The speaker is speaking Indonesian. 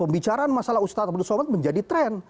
pembicaraan masalah ustadz abdul somad menjadi tren